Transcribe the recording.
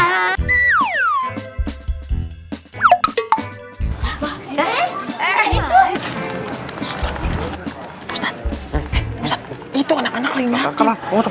hai apa eh eh itu